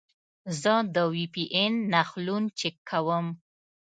زه د وي پي این نښلون چک کوم.